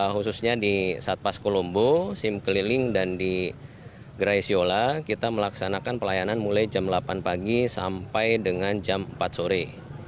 khususnya di satpas kolombo sim keliling dan di gerai siola kita melaksanakan pelayanan mulai jam delapan pagi sampai dengan jam empat sore